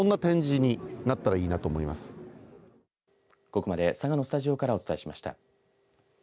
ここまで佐賀のスタジオからお伝えしました。